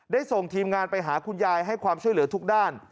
ส่งทีมงานไปหาคุณยายให้ความช่วยเหลือทุกด้าน